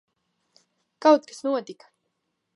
Kaut kas notika.